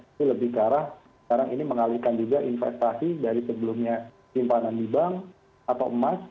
itu lebih ke arah sekarang ini mengalihkan juga investasi dari sebelumnya simpanan di bank atau emas